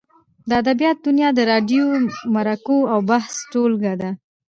د ادبیاتو دونیا د راډیووي مرکو او بحثو ټولګه ده.